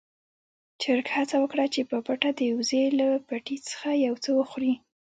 چرګ هڅه وکړه چې په پټه د وزې له پټي څخه يو څه وخوري.